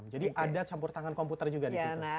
jadi ada campur tangan komputer juga disitu